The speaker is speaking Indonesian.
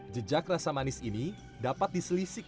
jejak rasa manis ini dapat diselisik